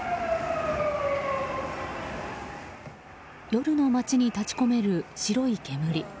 夜の街に立ち込める白い煙。